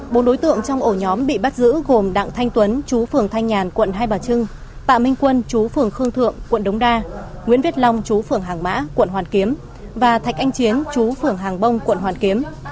bốn đối tượng trong ổ nhóm bị bắt giữ gồm đặng thanh tuấn chú phường thanh nhàn quận hai bà trưng tạ minh quân chú phường khương thượng quận đống đa nguyễn viết long chú phường hàng mã quận hoàn kiếm và thạch anh chiến chú phường hàng bông quận hoàn kiếm